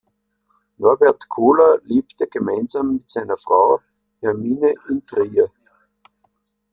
Norbert Kohler lebte gemeinsam mit seiner Frau Hermine in Trier.